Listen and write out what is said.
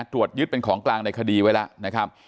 ตรวจยึดเป็นของกลางในคดีไว้แล้วนะครับ